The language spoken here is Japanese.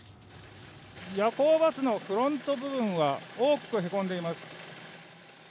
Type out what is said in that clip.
夜行バスのフロント部分は大きくへこんでいます。